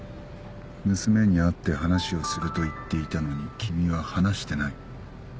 娘に会って話をすると言っていたのに君は話してない。